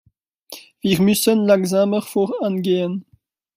Wir müssen langsamer vorangehen.